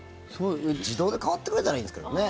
自動で変わってくれたらいいんですけどね。